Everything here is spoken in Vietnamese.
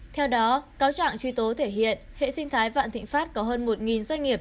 theo đó cáo trạng truy tố thể hiện hệ sinh thái vạn thịnh pháp có hơn một doanh nghiệp